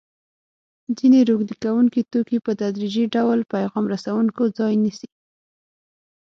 ځیني روږدي کوونکي توکي په تدریجي ډول پیغام رسوونکو ځای نیسي.